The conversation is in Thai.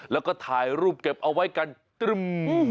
แล้วก็ถ่ายรูปเก็บเอาไว้กันตรึม